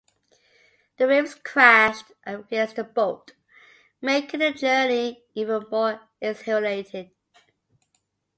The waves crashed against the boat, making the journey even more exhilarating.